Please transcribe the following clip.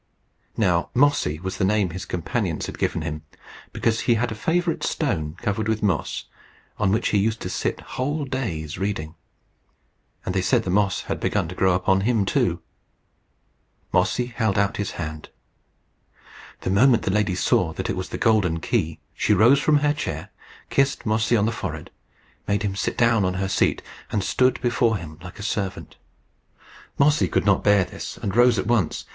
Now Mossy was the name his companions had given him, because he had a favourite stone covered with moss, on which he used to sit whole days reading; and they said the moss had begun to grow upon him too. Mossy held out his hand. The moment the lady saw that it was the golden key, she rose from her chair, kissed Mossy on the forehead, made him sit down on her seat, and stood before him like a servant. Mossy could not bear this, and rose at once.